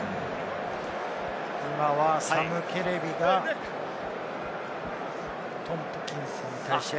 今はサム・ケレビがトンプキンズに対して。